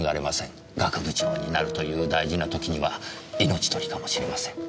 学部長になるという大事な時には命取りかもしれません。